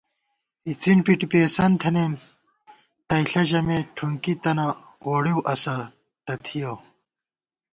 اڅِن پِٹی پېئیسَن تھنَئیم، تَئیݪہ ژَمېت ٹھُنکی تَنہ ووڑِؤ اسہ تہ تھِیَؤ